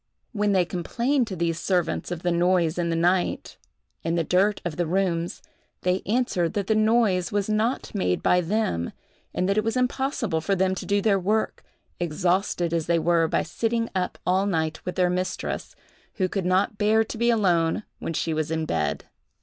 When they complained to these servants of the noise in the night, and the dirt of the rooms, they answered that the noise was not made by them, and that it was impossible for them to do their work, exhausted as they were by sitting up all night with their mistress, who could not bear to be alone when she was in bed.